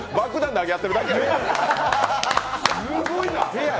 投げ合ってるだけやで。